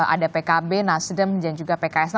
ada pkb nasdem dan juga pks